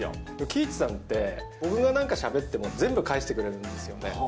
貴一さんって僕がなんかしゃべっても、全部返してくれるんですよね。